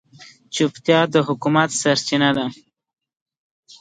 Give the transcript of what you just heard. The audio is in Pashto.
چوپتیا، د حکمت سرچینه ده.